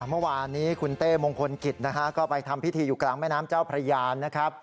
เมื่อวานนี้คุณเต้มงคลกิจนะฮะก็ไปทำพิธีอยู่กลางแม่น้ำเจ้าพระยานนะครับ